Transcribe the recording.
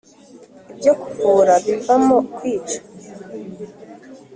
Ibyo kuvura bivamo kwica.